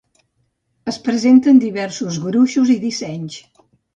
Es presenta en diversos gruixos i dissenys.